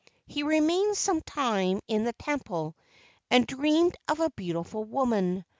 He remained some time in the temple and dreamed of a beautiful woman.